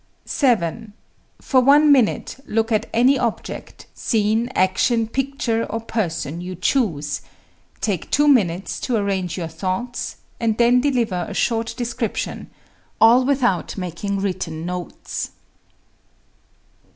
7. For one minute, look at any object, scene, action, picture, or person you choose, take two minutes to arrange your thoughts, and then deliver a short description all without making written notes.